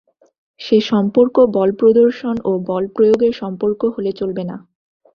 সে সম্পর্ক বল প্রদর্শন ও বল প্রয়োগের সম্পর্ক হলে চলবে না।